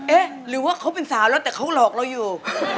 เอ๊ะหรือว่าเขาเป็นสาวแล้วแต่เขาหลอกเราอยู่